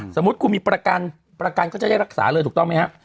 สมมุติคุณมีประกันประกันก็จะได้รักษาเลยถูกต้องไหมครับ